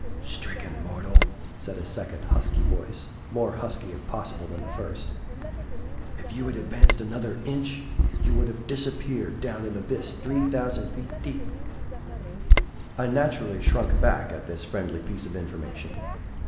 "Stricken mortal," said a second husky voice, more husky, if possible, than the first, "if you had advanced another inch, you would have disappeared down an abyss three thousand feet deep!" I naturally shrunk back at this friendly piece of information.